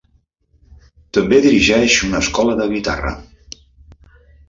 També dirigeix una escola de guitarra.